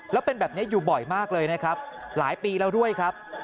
แล้วเป็นแบบนี้อยู่บ่อยมากเลยนะครับหลายปีแล้วด้วยครับ